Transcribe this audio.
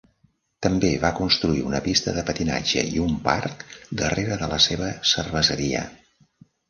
També va construir una pista de patinatge i un parc darrera de la seva cerveseria.